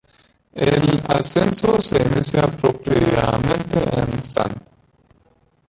El ascenso se inicia propiamente en St.